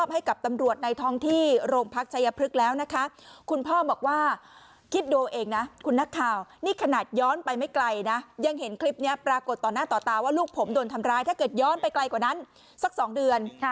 ในคลิปเนี่ยปรากฏตอนหน้าต่อตาว่าลูกผมโดนทำร้ายถ้าเกิดย้อนไปไกลกว่านั้นสัก๒เดือน